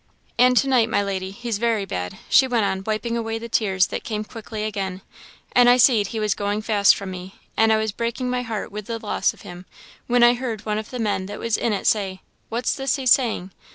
"An' to night, my lady, he's very bad," she went on, wiping away the tears that came quickly again "an' I seed he was going fast from me, an' I was breaking my heart wid the loss of him, whin I heard one of the men that was in it say, 'What's this he's saying?'